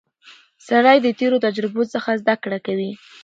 سړی د تېرو تجربو څخه زده کړه کوي